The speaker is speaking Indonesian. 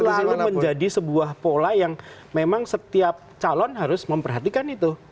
itu selalu menjadi sebuah pola yang memang setiap calon harus memperhatikan itu